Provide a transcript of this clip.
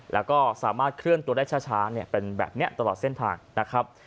แล้วก็สามารถเคลื่อนตัวได้ช้าเป็นแบบนี้ตลอดเส้นทางนะครับ